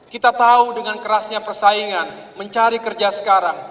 kita tahu dengan kerasnya persaingan mencari kerja sekarang